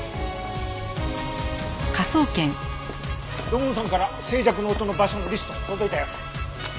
土門さんから静寂の音の場所のリスト届いたよ。